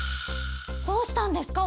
どうしたんですか？